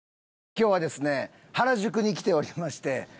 今日はですね原宿に来ておりまして。